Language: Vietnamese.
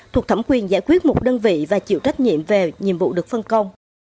thuộc thẩm quyền giải quyết một đơn vị và chịu trách nhiệm về nhiệm vụ được phân công